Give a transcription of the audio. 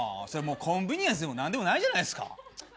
それもうコンビニエンスでも何でもないじゃないですか。